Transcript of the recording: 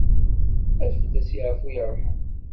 Ad fell-as yeɛfu yerḥem.